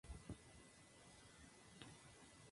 El sufijo -la es típico del dialecto Eas de Franconia.